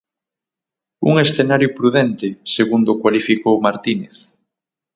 Un escenario prudente, segundo o cualificou Martínez.